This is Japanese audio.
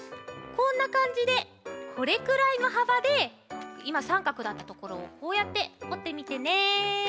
こんなかんじでこれくらいのはばでいまさんかくだったところをこうやっておってみてね。